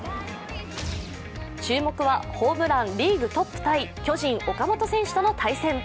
注目はホームランリーグトップタイ巨人・岡本選手との対戦。